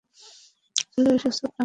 চলে এসো, ছোকরা।